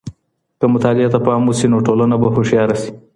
که مطالعې ته پام وسي نو ټولنه به هوښياره سي.